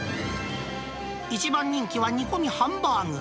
一番人気は、煮込みハンバーグ。